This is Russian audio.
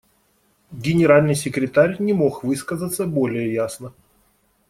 Генеральный секретарь не мог высказаться более ясно.